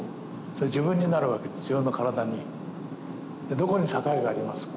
どこに境がありますか？